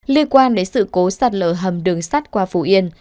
liên quan đến sự cố sạt lửa hầm đường sắt qua phú yên